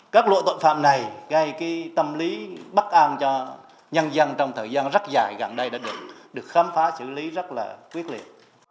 các lộ tội phạm này gây tâm lý bắc an cho nhân dân trong thời gian rất dài gần đây đã được khám phá xử lý rất là quyết liệt